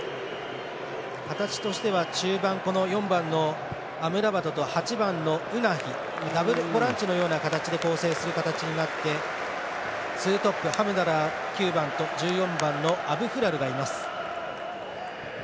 形としては中盤４番のアムラバトと８番のウナヒダブルボランチのような形で構成する形になって、ツートップハムダラー、９番と１４番のアブフラルがいます。